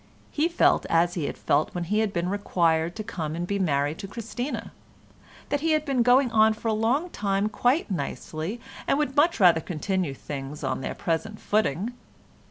He felt as he had felt when he had been required to come and be married to Christina—that he had been going on for a long time quite nicely, and would much rather continue things on their present footing.